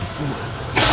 dan dia memiliki buah